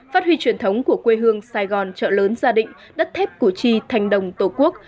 phát huy truyền thống của quê hương sài gòn trợ lớn gia định đất thép củ chi thành đồng tổ quốc